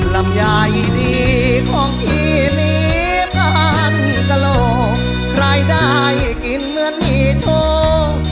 ลำไยดีของพี่มีพันกระโหลกใครได้กินเหมือนมีโชค